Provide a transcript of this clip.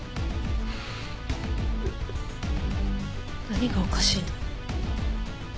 何がおかしいの？